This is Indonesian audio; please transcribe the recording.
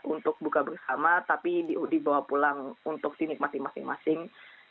untuk buka bersama tapi dibawa pulang untuk dinikmati masing masing